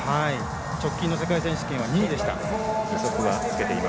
直近の世界選手権は２位です。